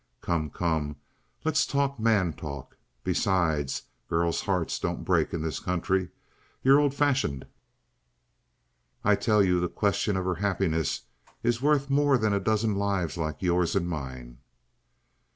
"Come, come. Let's talk man talk. Besides, girls' hearts don't break in this country. You're old fashioned." "I tell you the question of her happiness is worth more than a dozen lives like yours and mine."